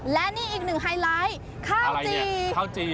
และนี่อีกหนึ่งไฮไลท์ข้าวจี